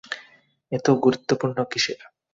এত গুরুত্বপূর্ন কিসের?